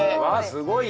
すごい。